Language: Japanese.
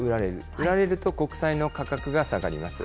売られると国債の価格が下がります。